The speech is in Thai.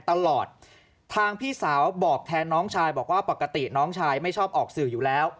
ตลอดทางพี่สาวบอกแทนน้องชายบอกว่าปกติน้องชายไม่ชอบออกสื่ออยู่แล้ว